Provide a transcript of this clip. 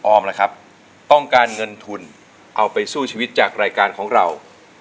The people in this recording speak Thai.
ล่ะครับต้องการเงินทุนเอาไปสู้ชีวิตจากรายการของเรา